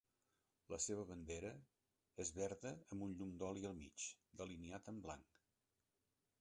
La seva bandera és verda amb un llum d'oli al mig, delineat en blanc.